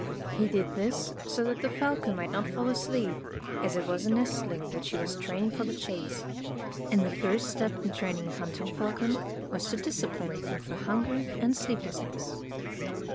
He did this so that the falcon might not fall asleep, as it was a nestling which he was training for the chase. And the first step in training a hunting falcon was to discipline him through hunger and sleep lessness.